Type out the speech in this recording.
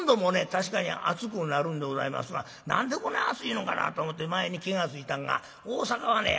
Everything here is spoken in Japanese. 確かに暑くなるんでございますが何でこない暑いのかなと思って前に気が付いたんが大阪はね